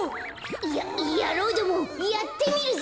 ややろうどもやってみるぜ！